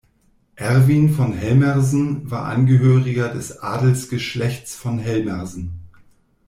Erwin von Helmersen war Angehöriger des Adelsgeschlechts von Helmersen.